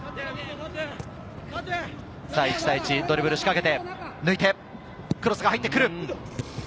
１対１、ドリブル仕掛けて、抜いて、クロスが入ってくる。